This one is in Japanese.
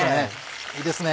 いいですね